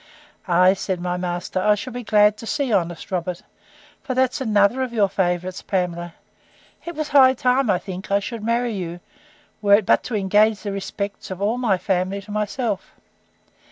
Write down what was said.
Ay, said my master, I shall be glad to see honest Robert; for that's another of your favourites, Pamela. It was high time, I think, I should marry you, were it but to engage the respects of all my family to myself.